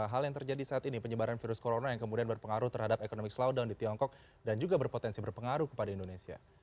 hal yang terjadi saat ini penyebaran virus corona yang kemudian berpengaruh terhadap economic slow down di tiongkok dan juga berpotensi berpengaruh kepada indonesia